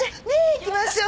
行きましょ。